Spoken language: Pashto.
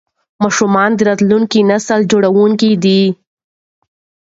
ماشومان د راتلونکي نسل جوړونکي دي.